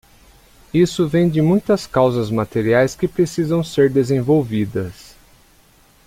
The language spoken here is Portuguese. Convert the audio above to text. Isso vem de muitas causas materiais que precisam ser desenvolvidas.